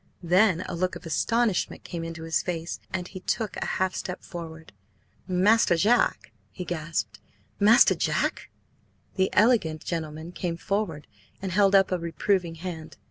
Then a look of astonishment came into his face, and he took a half step forward. "Master Jack!" he gasped. "Master–Jack!" The elegant gentleman came forward and held up a reproving hand.